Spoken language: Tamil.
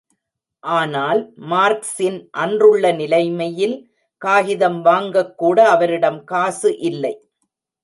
ஆனால், மார்க்ஸின் அன்றுள்ள நிலைமையில் காகிதம் வாங்கக்கூட அவரிடம் காசு இல்லை!